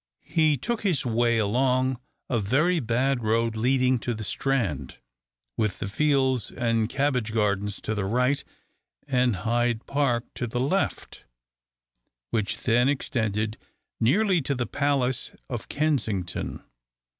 He took his way along a very bad road leading to the Strand, with the fields and cabbage gardens to the right, and Hyde Park to the left, which then extended nearly to the Palace of Kensington.